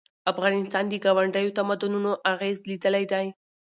افغانستان د ګاونډیو تمدنونو اغېز لیدلی دی.